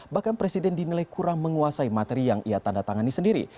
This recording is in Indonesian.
bahkan presiden dinilai kurang menguasai materi yang ia tanda tangani sendiri